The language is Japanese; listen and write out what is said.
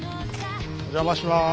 お邪魔します。